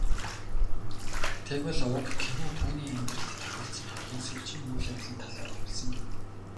Тэгвэл уг кино түүний амьдралд тохиолдсон хамгийн сүүлийн үйл явдлын талаар өгүүлсэн гэнэ.